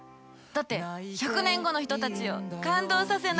だって１００年後の人たちを感動させないと。